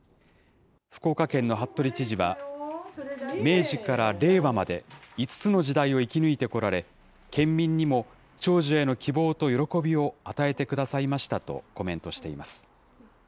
福岡県の服部知事は、明治から令和まで、５つの時代を生き抜いてこられ、県民にも長寿への希望と喜びを与えてくださいましたとコメントしています。